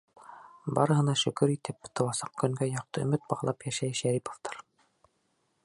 Барыһына шөкөр итеп, тыуасаҡ көнгә яҡты өмөт бағлап йәшәй Шәриповтар.